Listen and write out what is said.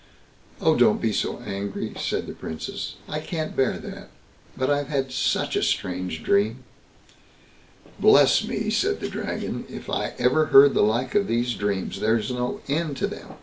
"Oh, don't be so angry", said the Princess; "I can't bear that; but I've had such a strange dream." "Bless me!" said the Dragon, "if I ever heard the like of these dreams—there's no end to them.